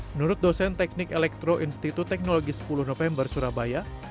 menurut dosen teknik elektro institut teknologi sepuluh november surabaya